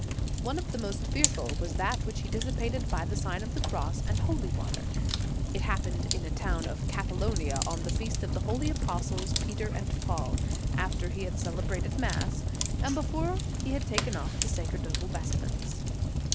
One of the most fearful was that which he dissipa ted by the Sign of the Cross and holy water. It happened in a town of Catalonia, on the feast of the holy apostles, Peter and Paul, after he had celebrated Mass, and before he had taken off the sacerdotal vestments.